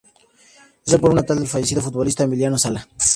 Es el pueblo natal del fallecido futbolista Emiliano Sala.